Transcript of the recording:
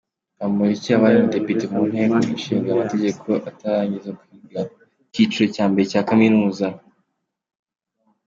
Bamporiki yabaye umudepite mu Nteko Ishinga Amategeko atararangiza kwiga icyiciro cya mbere cya kaminuza.